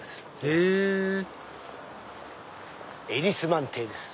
へぇエリスマン邸です！